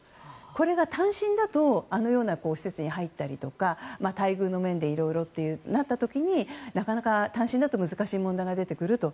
これが単身だとあのような施設に入ったりとか待遇の面でいろいろとなった時になかなか単身だと難しい問題が出てくると。